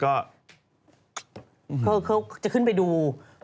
เขาจะขึ้นไปดู